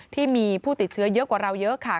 ที่มีผู้ติดเชื้อเยอะกว่าเราเยอะค่ะ